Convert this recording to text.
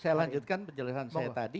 saya lanjutkan penjelasan saya tadi